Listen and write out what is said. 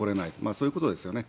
そういうことですよね。